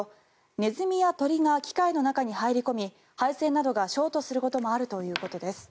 ネズミや鳥が機械の中に入り込み配線などがショートすることもあるそうです。